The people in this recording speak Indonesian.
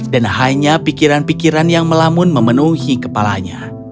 dan hanya pikiran pikiran yang melamun memenuhi kepala hati